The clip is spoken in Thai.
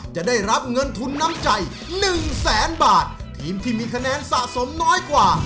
จะได้รับเงินทุนน้ำใจหนึ่งแสนบาททีมที่มีคะแนนสะสมน้อยกว่า